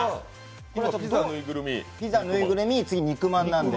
ピザ、ぬいぐるみ次、肉まんなんで。